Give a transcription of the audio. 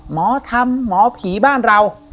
หมอธรรมหมอผีบ้านเรา